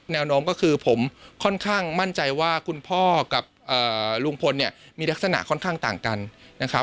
แนวโน้มก็คือผมค่อนข้างมั่นใจว่าคุณพ่อกับลุงพลเนี่ยมีลักษณะค่อนข้างต่างกันนะครับ